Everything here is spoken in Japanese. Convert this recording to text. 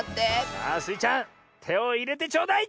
さあスイちゃんてをいれてちょうだい！